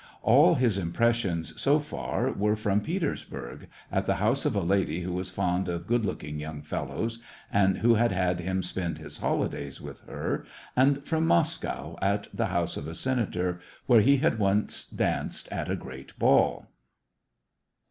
All his impressions, so far, were from Peters burg, at the house of a lady who was fond of good looking young fellows, and who had had him spend his holidays with her, and from Moscow, at the house of a senator, where he had once danced at a erreat ball.